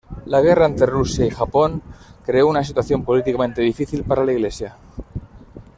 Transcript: La guerra entre Rusia y Japón creó una situación políticamente difícil para la iglesia.